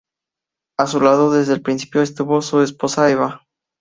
A su lado, desde el principio estuvo su esposa Eva.